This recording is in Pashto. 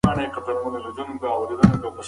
کرونا ډېر خلک له ستونزو سره مخ کړل.